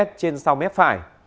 trên sau mép phải